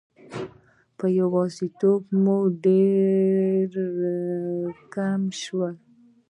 په یوازیتوب موږ ډېر کم څه کولای شو.